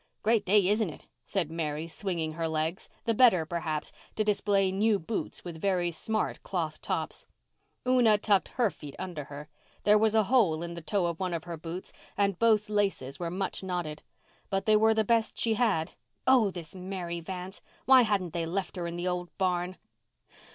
"Great day, isn't it?" said Mary, swinging her legs, the better, perhaps, to display new boots with very smart cloth tops. Una tucked her feet under her. There was a hole in the toe of one of her boots and both laces were much knotted. But they were the best she had. Oh, this Mary Vance! Why hadn't they left her in the old barn?